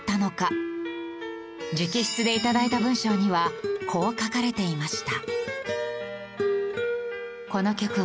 直筆で頂いた文章にはこう書かれていました。